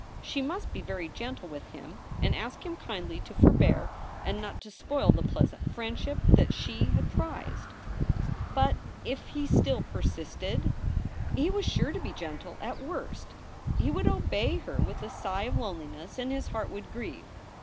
She must be very gentle with him and ask him kindly to forbear and not to spoil the pleasant friendship that she had prized. SOULS FOR SALE 281 But if he still persisted ? He was sure to be gentle at worst . He would obey her with a sigh of loneliness and his heart would grieve.